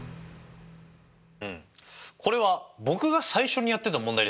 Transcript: これは僕が最初にやってた問題ですね。